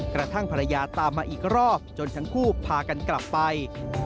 กระทั่งภรรยาตามมาอีกรอบจนทั้งคู่พากันกลับไป